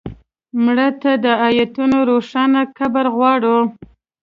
مړه ته د آیتونو روښانه قبر غواړو